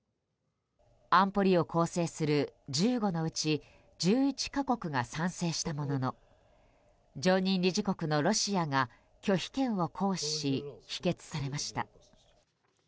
安保理を構成する１５のうち１１か国が賛成したものの常任理事国のロシアが拒否権を行使し否決されました。